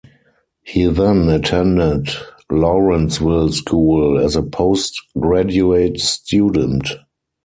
He then attended Lawrenceville School as a post-graduate student.